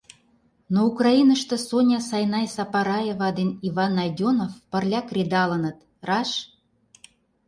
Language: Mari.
Но Украиныште Соня-Сайнай Сапараева ден Иван Найдёнов пырля кредалыныт, раш?!